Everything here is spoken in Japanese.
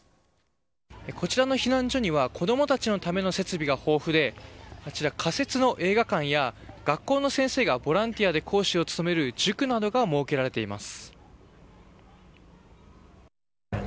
こちらの避難所には子どもたちのための設備が豊富でこちら仮設の映画館や学校の先生がボランティアで講師を務める塾などが設けられています。